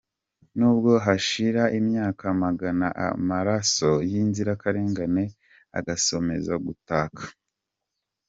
N’ubwo hashira imyaka magana, amaraso y’inzirakarengane azakomeza gutaka.